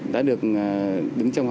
đã được đứng trong